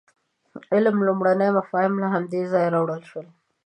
د علم لومړني مفاهیم له همدې ځایه راولاړ شول.